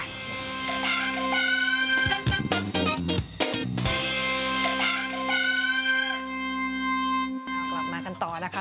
เอากลับมากันต่อนะคะ